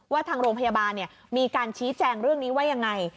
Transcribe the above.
ทางโรงพยาบาลมีการชี้แจงเรื่องนี้ว่ายังไง